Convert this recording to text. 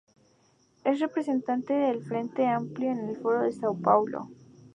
Es representante del Frente Amplio en el Foro de Sao Paulo.